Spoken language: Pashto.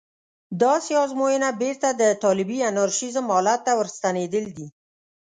داسې ازموینه بېرته د طالبي انارشېزم حالت ته ورستنېدل دي.